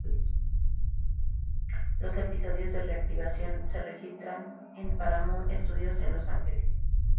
Los episodios de reactivación se registran en Paramount Studios en Los Ángeles.